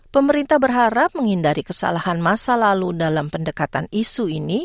pemerintah berharap menghindari kesalahan masa lalu dalam pendekatan isu ini